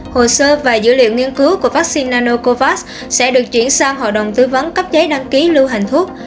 hồ sơ và dữ liệu nghiên cứu của vaccine nanocovax sẽ được chuyển sang hội đồng tư vấn cấp giấy đăng ký lưu hành thuốc